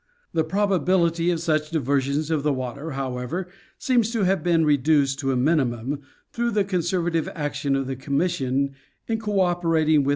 The proba bility of such diversion of the water, however, seems to have Geography of the Land. 43 been reduced to a minimum, through the conservative action of the Commission in codperating with.